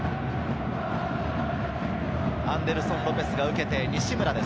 アンデルソン・ロペスが受けて西村です。